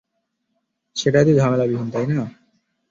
সেটাই তো ঝামেলাবিহীন, তাই না?